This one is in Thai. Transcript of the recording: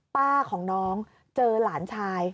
ป้าของน้องเจอหลานชาย